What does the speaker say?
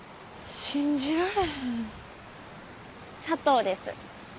佐藤です。